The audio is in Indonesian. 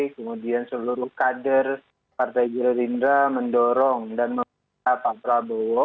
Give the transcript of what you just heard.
kemudian seluruh kader partai gerindra mendorong dan meminta pak prabowo